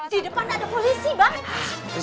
di depan ada polisi pak